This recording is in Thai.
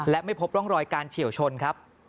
และไม่พบร่องรอยการเฉียวชนครับ